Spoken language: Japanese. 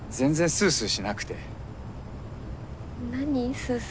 スースー